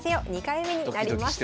２回目になります。